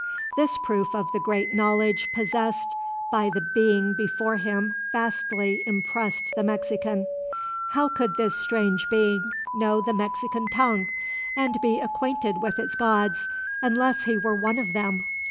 This proof of the great knowledge possessed by the being before him vastly impressed the Mexican. How could this strange being know the Mexican tongue, and be acquainted with its gods, unless he were one of them?